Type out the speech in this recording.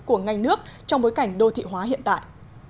của ngành nước trong bối cảnh đô thị hóa hiện tại